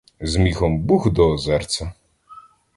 З міхом бух до озерця!